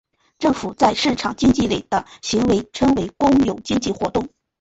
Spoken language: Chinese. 政府在市场经济里的行为称为公有经济活动。